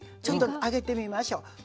ちょっと上げてみましょう。